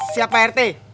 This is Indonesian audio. siap pak rt